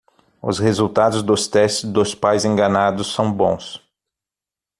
Os resultados dos testes dos pais enganados são bons